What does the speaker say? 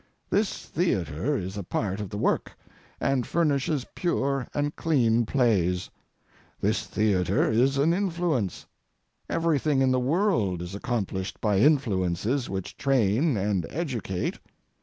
This theatre is a part of the work, and furnishes pure and clean plays. This theatre is an influence. Everything in the world is accomplished by influences which train and educate.